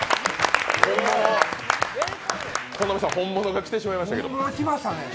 本並さん、本物が来てしまいましたけど。